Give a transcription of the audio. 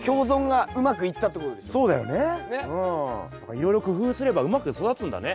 いろいろ工夫すればうまく育つんだね。